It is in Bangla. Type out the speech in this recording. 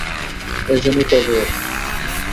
এ যেন টগর!